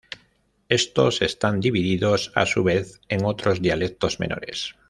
Estos están divididos a su vez en otros dialectos menores.